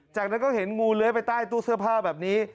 จากนั้นก็เห็นงูเลื้อยไปใต้ตู้เสื้อผ้าแบบนี้